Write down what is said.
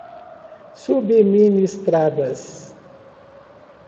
subministradas